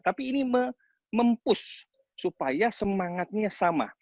tapi ini mem push supaya semangatnya sama